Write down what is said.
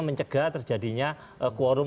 mencegah terjadinya korum